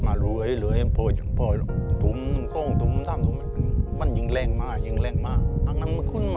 อายุขึ้นมาเยอะมากกว่าประมาณธุ้ม